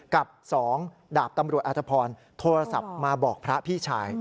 กับ๒ดาบตำรวจอธพรโทรศัพท์มาบอกพระพี่ชาย